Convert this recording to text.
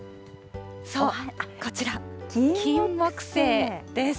そう、こちら、キンモクセイです。